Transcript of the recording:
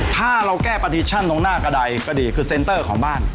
ถ้าเราแก้ประติชั่นตรงหน้ากระดายก็ดีคือเซ็นเตอร์ของบ้าน